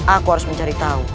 aku harus mencari tahu